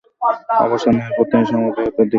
অবসর নেয়ার পর তিনি সাংবাদিকতার দিকে ঝুঁকে পড়েন।